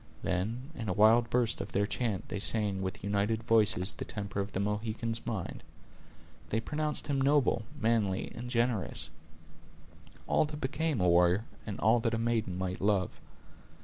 Then, in a wild burst of their chant they sang with united voices the temper of the Mohican's mind. They pronounced him noble, manly and generous; all that became a warrior, and all that a maid might love.